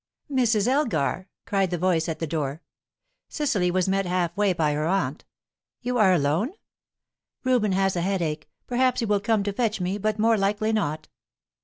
"Mrs. Elgar," cried the voice at the door. Cecily was met half way by her aunt, "You are alone?" "Reuben has a headache. Perhaps he will come to fetch me, but more likely not."